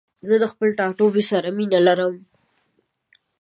زه له خپل ټاټوبي سره مينه لرم.